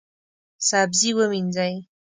سبزي ومینځئ